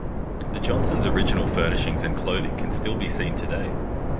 The Johnsons' original furnishings and clothing can still be seen today.